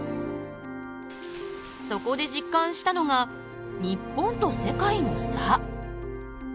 そこで実感したのが日本と世界の差。